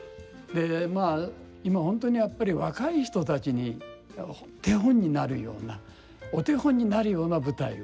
まあ今本当にやっぱり若い人たちに手本になるようなお手本になるような舞台を。